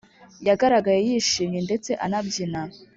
yagaragaye yishimye ndetse anabyina